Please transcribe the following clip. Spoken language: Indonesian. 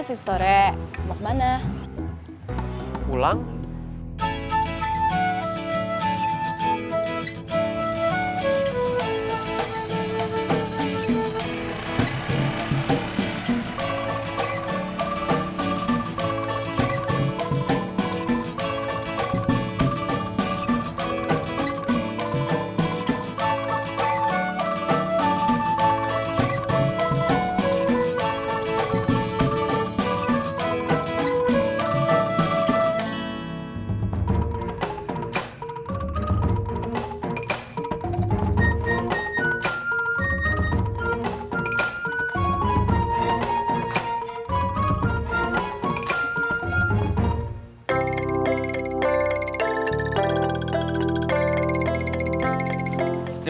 terima kasih banget